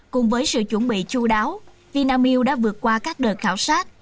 cùng với sự chuẩn bị chú đáo vinamilk đã vượt qua các đợt khảo sát